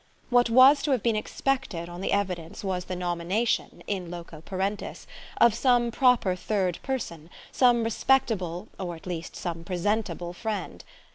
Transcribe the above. What was to have been expected on the evidence was the nomination, in loco parentis, of some proper third person, some respectable or at least some presentable friend.